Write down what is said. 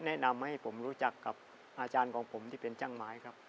แนะนำให้ผมรู้จักกับอาจารย์ของผมที่เป็นช่างไม้ครับ